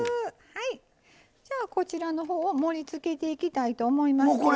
はいじゃあこちらの方を盛りつけていきたいと思います。